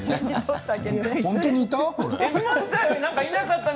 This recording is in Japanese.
本当にいたの？